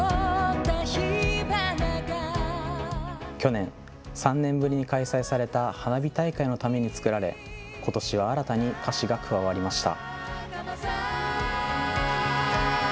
去年、３年ぶりに開催された花火大会のために作られ、ことしは新たに歌詞が加わりました。